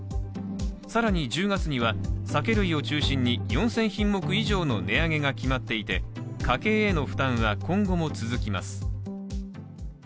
更に１０月には酒類を中心に４０００品目以上の値上げが決まっていて家計への負担は今後も続きます。